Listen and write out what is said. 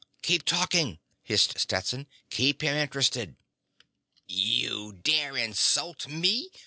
"Keep talking," hissed Stetson. "Keep him interested." "You dare insult me!"